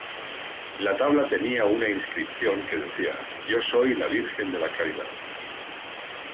La tabla tenía una inscripción que decía: ""Yo soy la Virgen de la Caridad"".